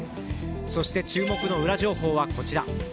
そして注目のウラ情報はこちら。